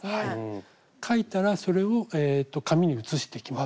書いたらそれを紙に写していきます。